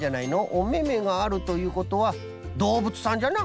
おめめがあるということはどうぶつさんじゃな。